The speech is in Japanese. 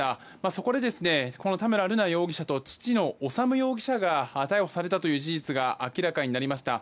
そこで、田村瑠奈容疑者と父の修容疑者が逮捕されたという事実が明らかになりました。